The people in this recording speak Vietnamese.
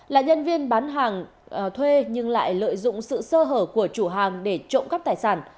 là nhân viên bán hàng thuê nhưng lại lợi dụng sự sơ hở của chủ hàng để trộm cắp tài sản